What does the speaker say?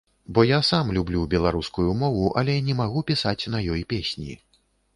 Бо я сам люблю беларускую мову, але не магу пісаць на ёй песні.